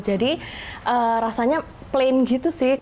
jadi rasanya plain gitu sih